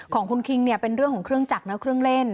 ของคุณคิงเนี่ยเป็นเรื่องของเครื่องจักรนะเครื่องเล่น